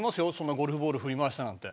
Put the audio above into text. ゴルフボール振り回したなんて。